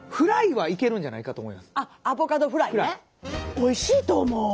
おいしいと思う。